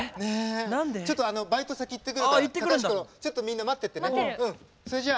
ちょっとバイト先行ってくるからちょっと、みんな待っててね！